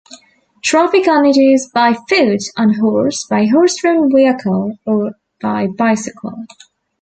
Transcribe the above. Traffic on it is by foot, on horse, by horse-drawn vehicle, or by bicycle.